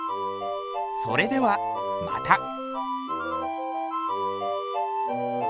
それではまた。